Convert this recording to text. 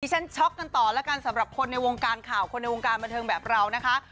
ฉันช็อกกันต่อแล้วกันสำหรับคนในวงการข่าวคนในวงการบันเทิงแบบเรานะคะ